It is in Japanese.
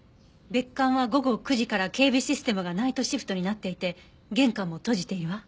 別館は午後９時から警備システムがナイトシフトになっていて玄関も閉じているわ。